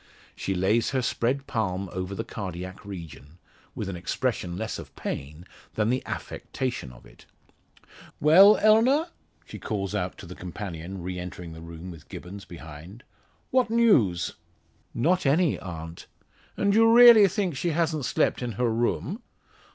She lays her spread palm over the cardiac region, with an expression less of pain, than the affectation of it. "Well, Eleanor," she calls out to the companion, re entering the room with Gibbons behind. "What news?" "Not any, aunt." "And you really think she hasn't slept in her room?"